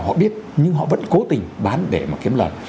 họ biết nhưng họ vẫn cố tình bán để mà kiếm lời